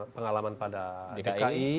pengalaman pada dki